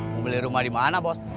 mau beli rumah dimana bos